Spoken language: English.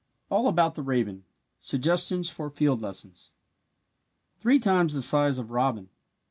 ALL ABOUT THE RAVEN SUGGESTIONS FOR FIELD LESSONS Three times the size of robin.